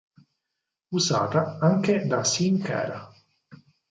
Usata anche da Sin Cara.